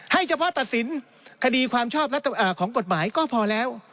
เฉพาะตัดสินคดีความชอบของกฎหมายก็พอแล้ว